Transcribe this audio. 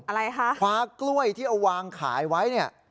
อะไรคะคว้ากล้วยที่เอาวางขายไว้เนี่ย